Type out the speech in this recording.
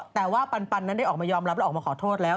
แต่ว่าปันนั้นได้ออกมายอมรับและออกมาขอโทษแล้ว